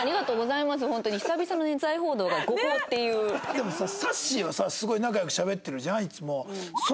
でもささっしーはさすごい仲良くしゃべってるじゃんいつも。